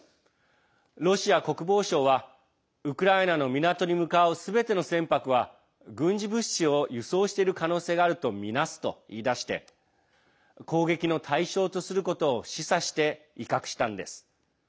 ロシア国防省は、ウクライナの港に向かうすべての船舶は軍事物資を輸送している可能性があるとみなすと言いだして攻撃の対象とすることを示唆して威嚇したんです。